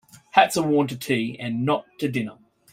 Hats are worn to tea and not to dinner.